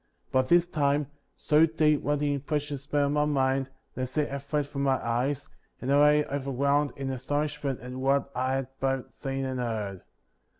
46. By this time, so deep were the impressions made on my mind, that sleep had fled from my eyes, and I lay overwhelmed in astonishment at what I had both seen and heard.